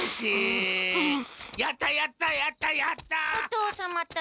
やったやったやったやった！